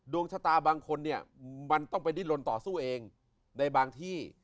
ดวงชะตาบางคนเนี่ยมันต้องไปดิ้นลนต่อสู้เองในบางที่